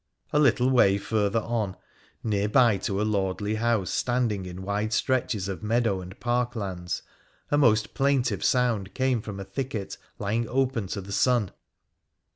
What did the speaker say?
A little way farther on, near by to a lordly house standing in wide stretches of meadow and park lands, a most plaintive sound came from a thicket lying open to the sun.